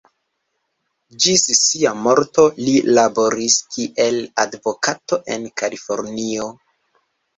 Ĝis sia morto, li laboris kiel advokato en Kalifornio.